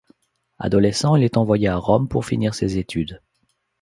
Adolescent, il est envoyé à Rome pour finir ses études.